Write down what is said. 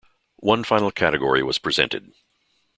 One final category was presented.